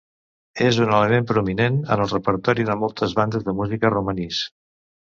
És un element prominent en el repertori de moltes bandes de música romanís.